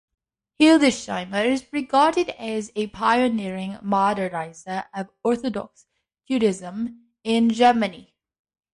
Hildesheimer is regarded as a pioneering "Moderniser" of Orthodox Judaism in Germany.